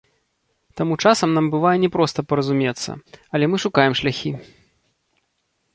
Таму часам нам бывае не проста паразумецца, але мы шукаем шляхі.